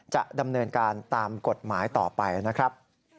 จะดำเนินการตามกฎหมายต่อไปนะครับ